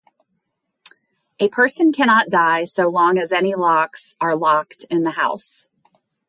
A person cannot die so long as any locks are locked in the house.